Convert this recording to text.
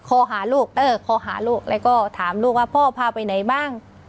ใช่วิดีโอคอร์คอร์หาลูกแล้วก็ถามลูกว่าพ่อพาไปไหนบ้าง